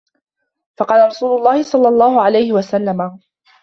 فَقَالَ رَسُولُ اللَّهِ صَلَّى اللَّهُ عَلَيْهِ وَسَلَّمَ